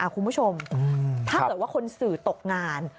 คุณผู้ชมถ้าเกิดว่าคนสื่อตกงาน